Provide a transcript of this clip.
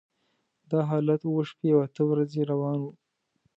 دا حالت اوه شپې او اته ورځې روان و.